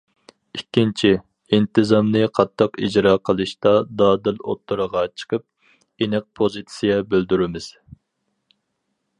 ئىككىنچى، ئىنتىزامنى قاتتىق ئىجرا قىلىشتا دادىل ئوتتۇرىغا چىقىپ، ئېنىق پوزىتسىيە بىلدۈرىمىز.